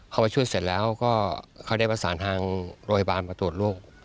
มาช่วยเสร็จแล้วก็เขาได้ประสานทางโรงพยาบาลมาตรวจโรค